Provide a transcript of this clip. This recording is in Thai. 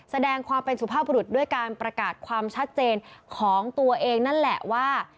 แสดงความเป็นสุภาพบุรุษด้วยการประกาศความชัดเจนของตัวเองนั่นแหละว่า